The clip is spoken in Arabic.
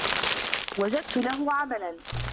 وجدت له عملا.